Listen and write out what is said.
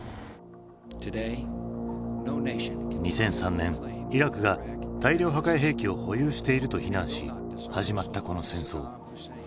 ２００３年イラクが大量破壊兵器を保有していると非難し始まったこの戦争。